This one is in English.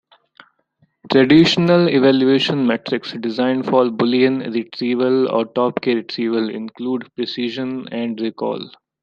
Traditional evaluation metrics, designed for Boolean retrieval or top-k retrieval, include precision and recall.